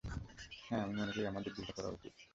হ্যাঁ, আমি মনে করি আমাদের ডিলটা করা উচিত।